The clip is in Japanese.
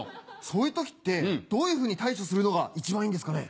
そういう時ってどういうふうに対処するのが一番いいんですかね？